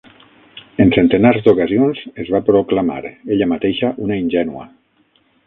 En centenars d'ocasions es va proclamar ella mateixa una ingènua.